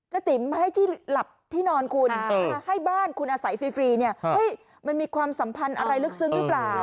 ติ๋มให้ที่หลับที่นอนคุณให้บ้านคุณอาศัยฟรีมันมีความสัมพันธ์อะไรลึกซึ้งหรือเปล่า